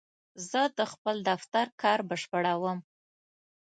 زه د خپل دفتر کار بشپړوم.